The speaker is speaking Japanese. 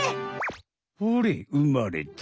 ほれうまれた！